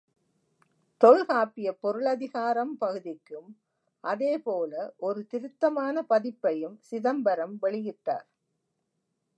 தொல்காப்பிய பொருளதிகாரம் பகுதிக்கும் அதே போல ஒரு திருத்தமான பதிப்பையும் சிதம்பரம் வெளியிட்டார்.